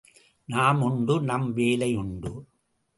நாம் உண்டு நம் வேலை உண்டு!